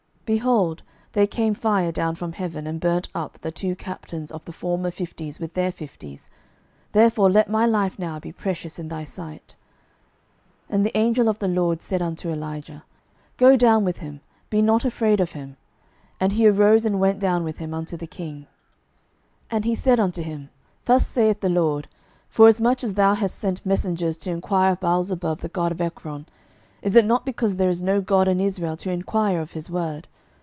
12:001:014 Behold, there came fire down from heaven, and burnt up the two captains of the former fifties with their fifties: therefore let my life now be precious in thy sight. 12:001:015 And the angel of the LORD said unto Elijah, Go down with him: be not afraid of him. And he arose, and went down with him unto the king. 12:001:016 And he said unto him, Thus saith the LORD, Forasmuch as thou hast sent messengers to enquire of Baalzebub the god of Ekron, is it not because there is no God in Israel to enquire of his word?